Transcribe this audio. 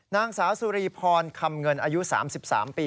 นางสาวสุรีพรคำเงินอายุ๓๓ปี